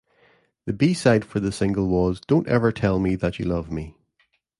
The B-side for the single was "Don't Ever Tell Me That You Love Me".